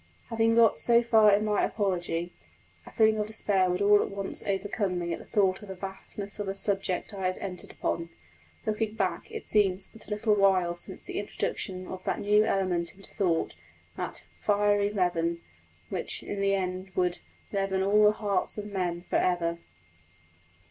Having got so far in my apology, a feeling of despair would all at once overcome me at the thought of the vastness of the subject I had entered upon. Looking back it seems but a little while since the introduction of that new element into thought, that "fiery leaven" which in the end would "leaven all the hearts of men for ever."